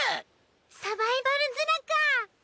サバイバルズラか。